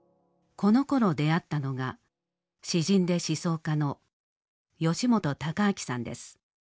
このころ出会ったのが詩人で思想家の吉本隆明さんです。